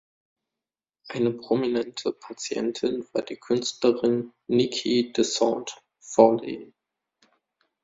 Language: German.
Eine prominente Patientin war die Künstlerin Niki de Saint Phalle.